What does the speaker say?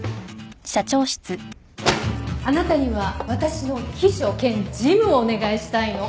あなたには私の秘書兼事務をお願いしたいの。